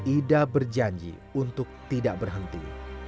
ida berjanji untuk tidak berhenti